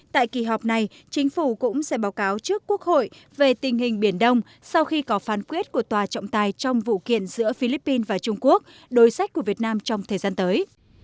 tại kỳ họp này chính phủ cũng sẽ báo cáo trước quốc hội về tình hình biển đông sau khi có phán quyết của tòa trọng tài trong vụ kiện giữa philippines và trung quốc đối sách của việt nam trong thời gian tới